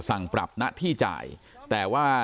สั่งปรับหน้าที่จ่ายแต่ว่า